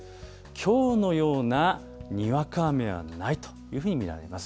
きょうのようなにわか雨はないというふうに見られます。